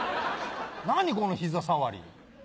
何この膝触り。